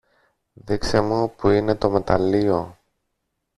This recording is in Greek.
Δείξε μου που είναι το μεταλλείο